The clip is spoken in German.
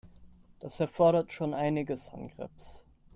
Das erfordert schon einiges an Grips.